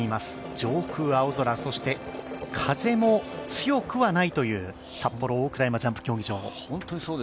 上空青空、そして風も強くはないという札幌大倉山ジャンプ競技場。